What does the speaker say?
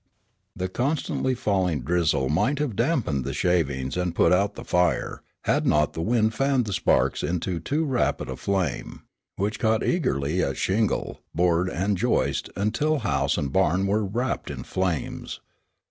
The constantly falling drizzle might have dampened the shavings and put out the fire, had not the wind fanned the sparks into too rapid a flame, which caught eagerly at shingle, board and joist until house and barn were wrapped in flames.